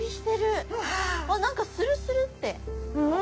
何かスルスルって！